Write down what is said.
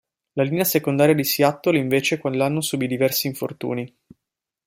La linea secondaria di Seattle invece quell'anno subì diversi infortuni.